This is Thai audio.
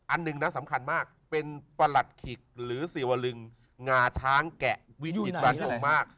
อันหนึ่งนะสำคัญมากเป็นประตัดขีกหรือสีวลึงหนาช้างแกะ